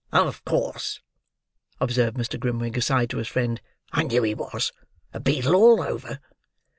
"Of course," observed Mr. Grimwig aside to his friend, "I knew he was. A beadle all over!"